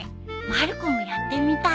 まる子もやってみたいな。